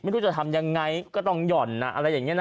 ไม่รู้จะทำยังไงก็ต้องหย่อนอะไรอย่างนี้นะ